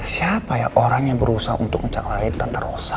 siapa ya orang yang berusaha untuk mencangkulkan tante rosa